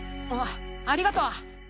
あありがとう。